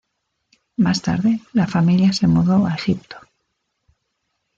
Más tarde, la familia se mudó a Egipto.